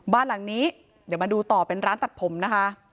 บ้านหลังนี้เดี๋ยวมาดูต่อเป็นร้านตัดผมนะคะ